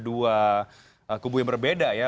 dua kubu yang berbeda ya